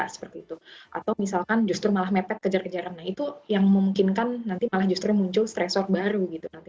atau jika melakukan perjalanan dengan kejar kejaran maka mungkin akan muncul stres waktu baru